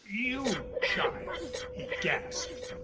"You, child!" he gasped.